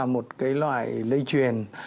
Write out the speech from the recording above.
một loại lây truyền